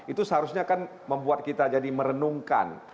itu seharusnya kan membuat kita jadi merenungkan